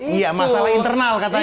iya masalah internal katanya